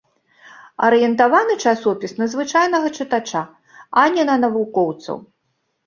Арыентаваны часопіс на звычайнага чытача, а не на навукоўцаў.